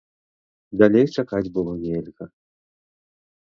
Далей чакаць было нельга.